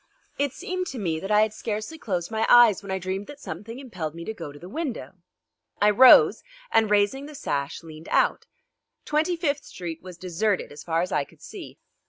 It seemed to me that I had scarcely closed my eyes when I dreamed that something impelled me to go to the window. I rose, and raising the sash leaned out. Twenty fifth Street was deserted as far as I could see.